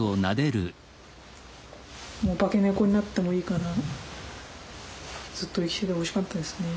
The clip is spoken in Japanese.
もう化け猫になってもいいからずっと生きててほしかったですね。